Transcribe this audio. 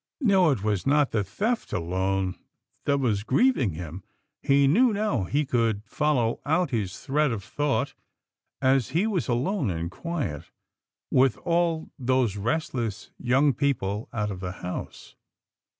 No, it was not the theft alone that was grieving him. He knew now — he could follow out his thread of thought as he was alone and quiet, with all those restless young people out of the house.